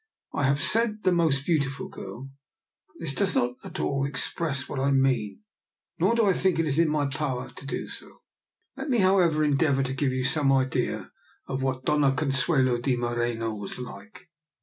I have said " the most beautiful girl," but this does not at all express what I mean, nor do I think it is in my power to do so. Let me, however, endeavour to give you some idea of what Doiia Consuelo de Moreno was like.